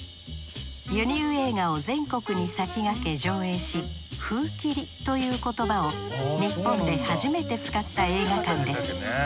輸入映画を全国に先駆け上映し封切という言葉を日本で初めて使った映画館です。